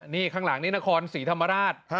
นี่ข้างหลังนี้นครศรีธรรมราช